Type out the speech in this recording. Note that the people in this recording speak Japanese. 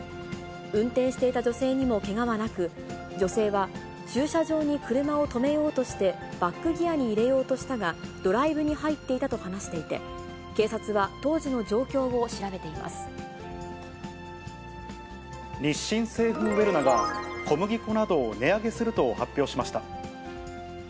運転していた女性にもけがはなく、女性は駐車場に車を止めようとして、バックギアに入れようとしたが、ドライブに入っていたと話していて、警察は当時の状況を調べてい日清製粉ウェルナが、小麦粉などを値上げすると発表しました。